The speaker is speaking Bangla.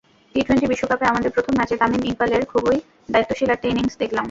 টি-টোয়েন্টি বিশ্বকাপে আমাদের প্রথম ম্যাচে তামিম ইকবালের খুবই দায়িত্বশীল একটা ইনিংস দেখলাম।